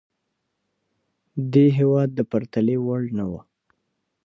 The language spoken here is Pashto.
دې هېواد د پرتلې وړ نه وه.